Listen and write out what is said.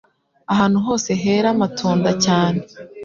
Ahantu hose hera amatunda cyane,